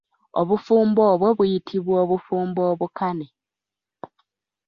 Obufumbo obw'o buyitibwa obufumbo obukane.